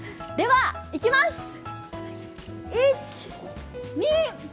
ではいきます。